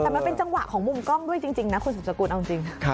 แต่มันเป็นจังหวะของมุมกล้องด้วยจริงนะคุณสุดสกุลเอาจริง